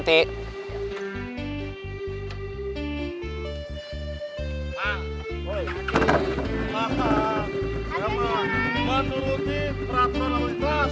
mata ruti pratma namunitas